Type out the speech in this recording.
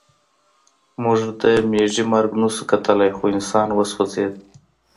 موږ د مېږي مرګ نشو کتلی خو انسان وسوځېد